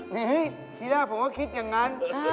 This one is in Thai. นี่ทีแรกผมก็คิดอย่างนั้น